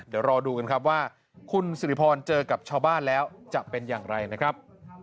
เดี๋ยวรอดูกันครับว่าคุณสิริพรเจอกับชาวบ้านแล้วจะเป็นอย่างไรนะครับ